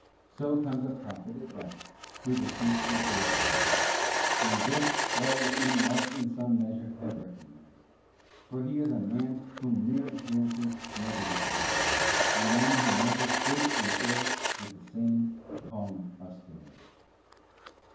So comes a prophet at last who defeats the old proverb.. And this Walt Whitman must in some measure have recognized, for he is a man whom mere appearances never deceive — a man who meas ures good and ill with the same calm austerity.